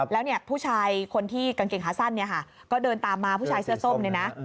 แล้วผู้ชายคนที่กางเกงขาสั้นก็เดินตามมาผู้ชายเสื้อส้ม